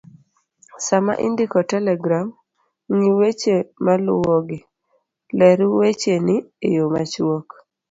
Sama indiko telegram, ng'i weche maluwogi:ler wecheni e yo machuok